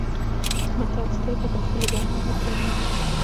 متل : سترګه په خپلو بڼو نه درنيږي.